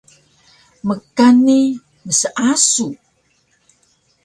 Mkan ni mseasug